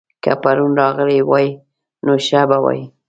که پرون راغلی وای؛ نو ښه به وای